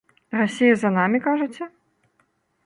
Расія за намі, кажаце?